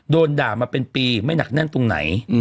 โดนด่ามาเป็นปีไม่หนักแน่นตรงไหน